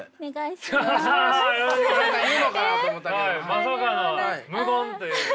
まさかの無言というね。